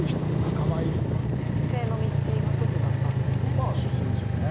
出世の道の一つだったんですね？